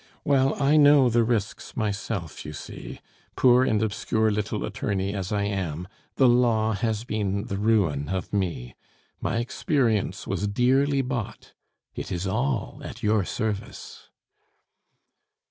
"Well, I know the risks myself, you see; poor and obscure little attorney as I am, the law has been the ruin of me. My experience was dearly bought it is all at your service."